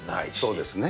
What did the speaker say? そうですね。